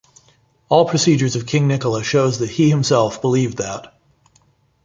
All procedures of King Nikola shows that he himself believed that.